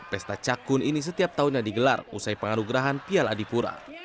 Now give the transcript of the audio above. pesta cak kun ini setiap tahunnya digelar usai pengaruh gerahan pial adipura